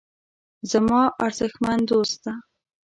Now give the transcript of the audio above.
زما ارزښتمن دوسته.